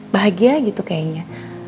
bahagia gitu kayaknya